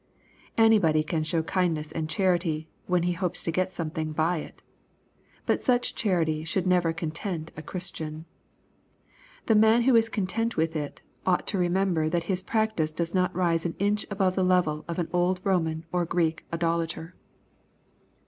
Anybody can show kindness and charity, when he hopes to gain something by it But such charity should never content a Christian. The man who is content with it, ought to remember that his practice does not rise an inch above the level of au old Roman or Greek idolater.